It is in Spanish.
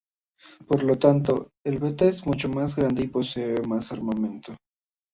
Por lo tanto, el Beta es mucho más grande y posee más armamento.